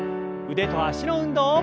腕と脚の運動。